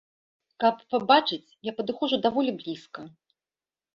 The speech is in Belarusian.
Каб пабачыць, я падыходжу даволі блізка.